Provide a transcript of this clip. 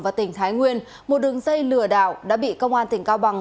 và tỉnh thái nguyên một đường dây lừa đảo đã bị công an tỉnh cao bằng